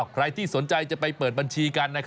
ใครที่สนใจจะไปเปิดบัญชีกัน